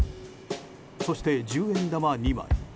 そして十円玉２枚。